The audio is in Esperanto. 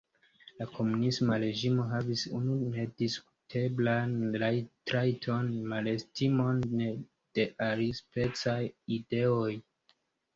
La komunisma reĝimo havis unu nediskuteblan trajton: malestimon de alispecaj ideoj.